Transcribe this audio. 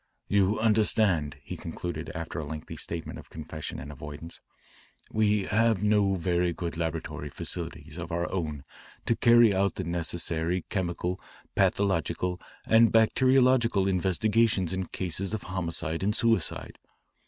"You understand," he concluded after a lengthy statement of confession and avoidance, "we have no very good laboratory facilities of our own to carry out the necessary chemical, pathological, and bacteriological investigations in cases of homicide and suicide.